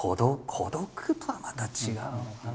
孤独とはまた違うのかな。